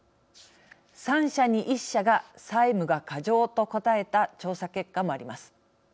３社に１社が債務が過剰と答えた調査結果もあります。